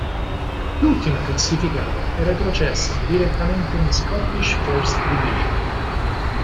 L'ultima classificata è retrocessa direttamente in Scottish First Division.